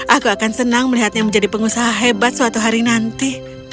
aku akan senang melihatnya menjadi pengusaha hebat suatu hari nanti